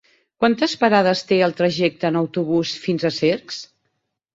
Quantes parades té el trajecte en autobús fins a Cercs?